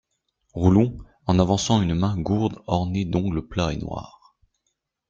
Roulon, en avançant une main gourde ornée d'ongles plats et noirs.